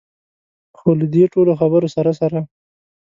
خو له دې ټولو خبرو سره سره.